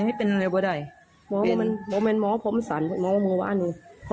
มีเป็นอะไรบว่าไทยหมอมันหมอจำนวงวาหนึ่ง